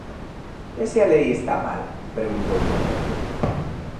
"E se a lei está mal?", preguntoulle Rendo.